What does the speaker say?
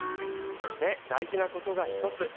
そして大事なことが一つ。